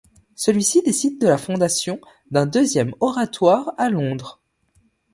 Celui-ci décide de la fondation d'un deuxième oratoire à Londres.